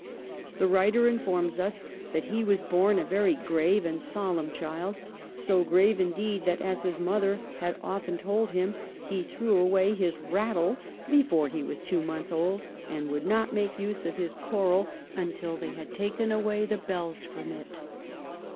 The writer informs us that he was born a very grave and 1711 THE SPECTATOR'S TRAVELS. 179 solemn child — so grave, indeed, that, as his mother had often told him, he threw away his rattle before he was two months old, and would not make use of his coral until they had taken away the bells from it.